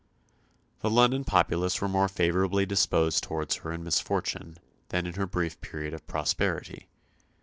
The London populace were more favourably disposed towards her in misfortune, than in her brief period of prosperity.